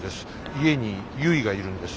家にゆいがいるんです。